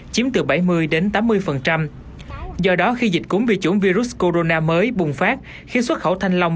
chiếm từ bảy mươi tám mươi do đó khi dịch cúm vì chủng virus corona mới bùng phát khiến xuất khẩu thanh long